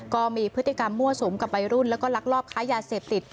ก็มีพฤติกรรมมั่วสุมกับวัยรุ่นแล้วก็ลักลอบค้ายาเสพติด